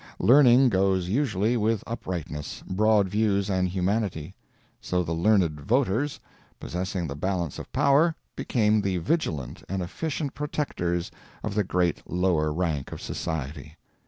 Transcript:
Learning goes usually with uprightness, broad views, and humanity; so the learned voters, possessing the balance of power, became the vigilant and efficient protectors of the great lower rank of society.